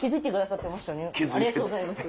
ありがとうございます。